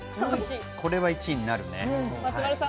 これは１位になるね。